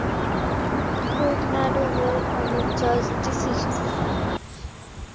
Tornado won on a judges' decision.